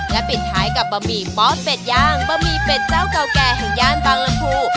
และปิดท้ายกับบะหมี่บอสเป็ดย่างบะหมี่เป็ดเจ้าเก่าแก่แห่งย่านบางลำพู